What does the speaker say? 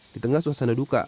di tengah suasana duka